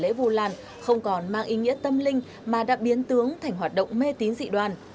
lễ vù làn không còn mang ý nghĩa tâm linh mà đã biến tướng thành hoạt động mê tín dị đoàn